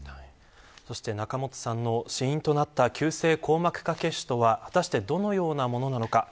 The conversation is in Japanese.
仲本さんの死因となった急性硬膜下血腫とは果たしてどのようなものなのか。